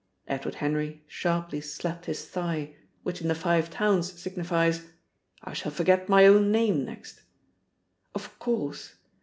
Edward Henry sharply slapped his thigh, which in the Five Towns signifies, "I shall forget my own name next." Of course!